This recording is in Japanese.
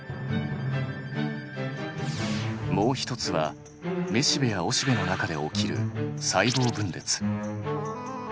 もう一つはめしべやおしべの中で起きる細胞分裂。